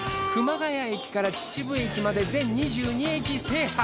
谷駅から秩父駅まで全２２駅制覇。